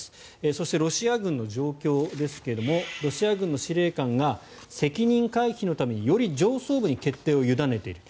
そして、ロシア軍の状況ですがロシア軍の司令官が責任回避のためにより上層部に決定を委ねている。